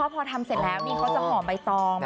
พอทำเสร็จแล้วนี่เขาจะห่อใบตอง